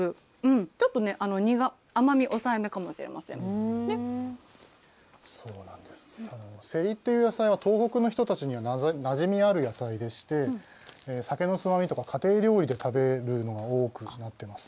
ちょっと、せりっていう野菜は、東北の人たちにはなじみある野菜でして、酒のつまみとか、家庭料理で食べるのが多くなってます。